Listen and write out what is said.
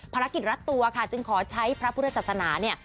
ภารกิจรัดตัวค่ะจึงขอใช้พระพุทธศาสนาเนี่ย